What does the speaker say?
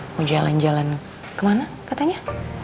mau jalan jalan kemana katanya